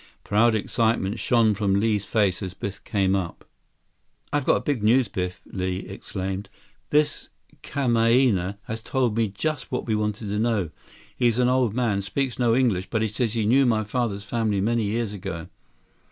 Proud excitement shone from Li's face as Biff came up. 81 "I've got big news, Biff," Li exclaimed. "This kamaaina has told me just what we want to know. He's an old man, speaks no English, but he says he knew my father's family many years ago."